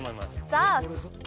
ザーツ。